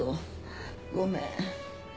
ごめん。